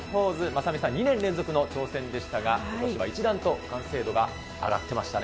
雅美さん、２年連続の挑戦でしたが、ことしは一段と完成度が上がっていましたね。